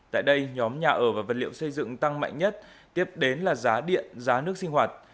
tại đây nhóm nhà ở và vật liệu xây dựng tăng mạnh nhất tiếp đến là giá điện giá nước sinh hoạt